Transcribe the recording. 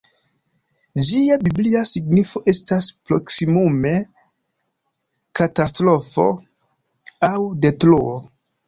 Ĝia biblia signifo estas proksimume ‹katastrofo› aŭ ‹detruo›.